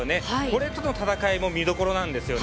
これとの戦いも見どころです。